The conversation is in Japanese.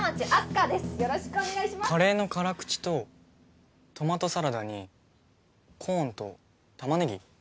カレーの辛口とトマトサラダにコーンとタマネギ？